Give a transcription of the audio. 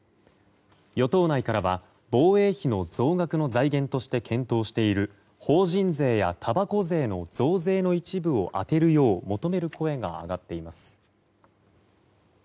与党内からは、防衛費の増額の財源として検討している法人税やたばこ税の増税の一部を充てるよう求める声が上がっています。